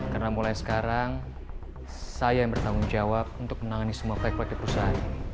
karena mulai sekarang saya yang bertanggung jawab untuk menangani semua pake pake di perusahaan ini